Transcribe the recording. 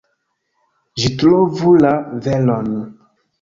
Ĝi trovu la veron.